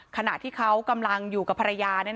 ขณะที่เขากำลังอยู่กับภรรยา